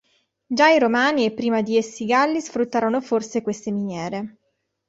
Già i Romani e prima di essi i Galli sfruttarono forse queste miniere.